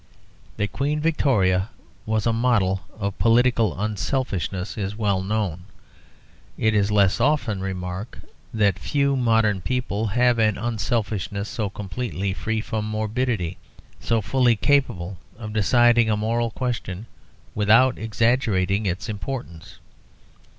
That Queen Victoria was a model of political unselfishness is well known; it is less often remarked that few modern people have an unselfishness so completely free from morbidity, so fully capable of deciding a moral question without exaggerating its importance.